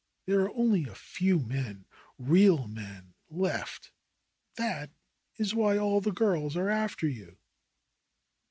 There are only a few men — real men — left. That is why all the girls are after you."